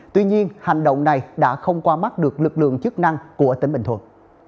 tuy nhiên hành động này đã không qua mắt được lực lượng chức năng của tỉnh bình thuận